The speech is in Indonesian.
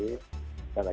karena kita berharap